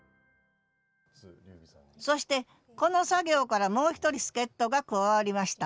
そしてこの作業からもう一人助っとが加わりました。